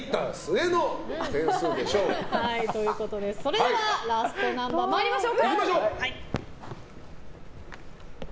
それではラストナンバーに参りましょう。